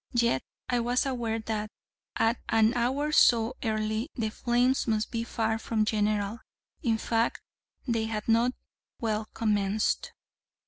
Yet I was aware that, at an hour so early, the flames must be far from general; in fact, they had not well commenced.